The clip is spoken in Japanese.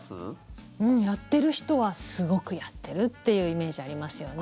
やってる人はすごくやってるっていうイメージありますよね。